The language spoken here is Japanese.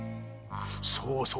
そうそう。